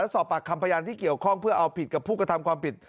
สอบปากคำพยานที่เกี่ยวข้องเพื่อเอาผิดกับผู้กระทำความผิด